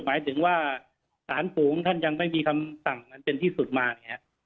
หมายถึงว่าสารฝูงท่านยังไม่มีคำสั่งมันเป็นที่สุดมา